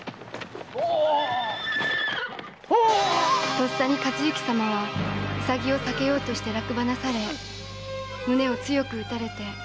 とっさに和之様は兎を避けようとして落馬なされ胸を強く打たれて。